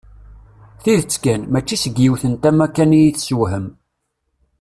Tidet kan, mačči seg yiwet n tama kan i yi-tessewhem.